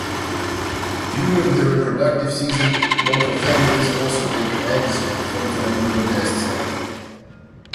During the reproductive season, local families also take eggs from flamingo nests eggs.